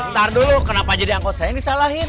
ntar dulu kenapa jadi angkot saya yang disalahin